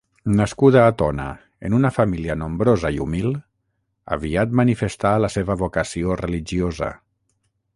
Nascuda a Tona en una família nombrosa i humil, aviat manifestà la seva vocació religiosa.